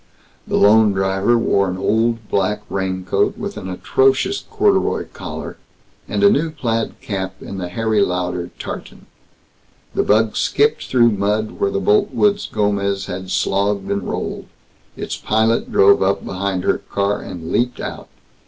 The lone driver wore an old black raincoat with an atrocious corduroy collar, and a new plaid cap in the Harry Lauder tartan. The bug skipped through mud where the Boltwoods' Gomez had slogged and rolled. Its pilot drove up behind her car, and leaped out.